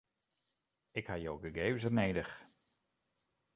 Ik ha jo gegevens nedich.